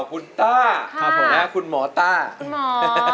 ทุกคนนี้ก็ส่งเสียงเชียร์ทางบ้านก็เชียร์ทางบ้านก็เชียร์